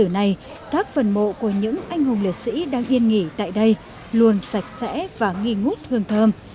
hôm nay các phần mộ của những anh hùng liệt sĩ đang yên nghỉ tại đây luôn sạch sẽ và nghi ngút hương thơm